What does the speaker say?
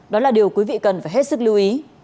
đó là điều quý vị cần phải hết sức lưu ý